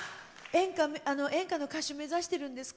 演歌の歌手を目指してるんですか？